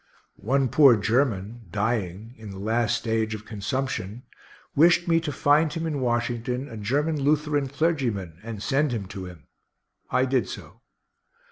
One poor German, dying in the last stage of consumption wished me to find him, in Washington, a German Lutheran clergyman, and send him to him; I did so.